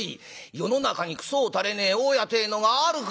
世の中にクソをたれねえ大家ってえのがあるか！」。